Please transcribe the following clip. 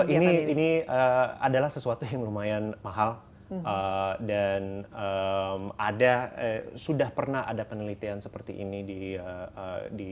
ini adalah sesuatu yang lumayan mahal dan ada sudah pernah ada penelitian seperti ini